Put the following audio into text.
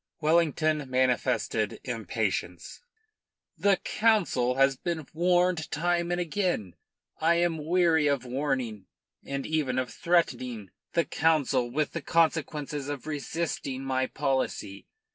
Wellington manifested impatience. "The Council has been warned time and again. I am weary of warning, and even of threatening, the Council with the consequences of resisting my policy.